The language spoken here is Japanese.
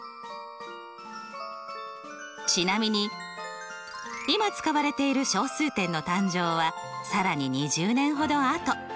ちなみに今使われている小数点の誕生は更に２０年ほどあと。